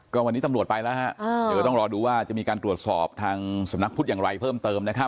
ก็วันนี้ตำรวจไปแล้วฮะเดี๋ยวต้องรอดูว่าจะมีการตรวจสอบทางสำนักพุทธอย่างไรเพิ่มเติมนะครับ